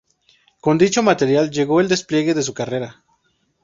Con dicho material llegó el despliegue de su carrera.